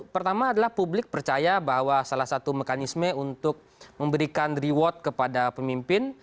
pertama adalah publik percaya bahwa salah satu mekanisme untuk memberikan reward kepada pemimpin